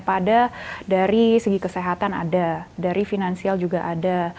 pada dari segi kesehatan ada dari finansial juga ada